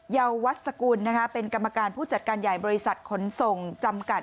ยาวัสสกุลเป็นกรรมการผู้จัดการใหญ่บริษัทขนส่งจำกัด